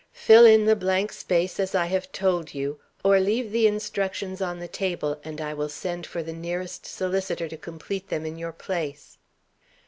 Fill in the blank space as I have told you. Or leave the instructions on the table, and I will send for the nearest solicitor to complete them in your place."